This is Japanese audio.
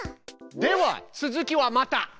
では続きはまた！